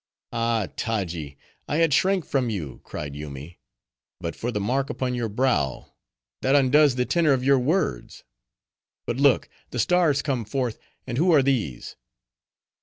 "Ah, Taji! I had shrank from you," cried Yoomy, "but for the mark upon your brow. That undoes the tenor of your words. But look, the stars come forth, and who are these?